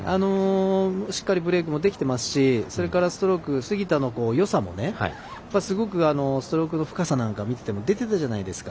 しっかりブレークもできてますしそれから、ストローク杉田のよさもすごくストロークの深さなんか見てても出ていたじゃないですか。